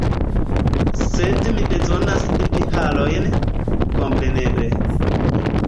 Sed mi bezonas lipharojn, kompreneble.